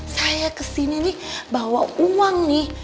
saya kesini nih bawa uang nih